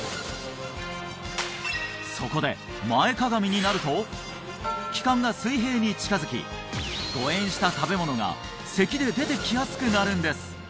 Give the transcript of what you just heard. そこで前かがみになると気管が水平に近づき誤嚥した食べ物が咳で出てきやすくなるんです